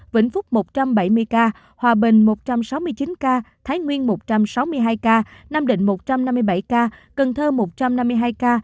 vĩnh phúc một trăm bảy mươi ca hòa bình một trăm sáu mươi chín ca thái nguyên một trăm sáu mươi hai ca nam định một trăm năm mươi bảy ca cần thơ một trăm năm mươi hai ca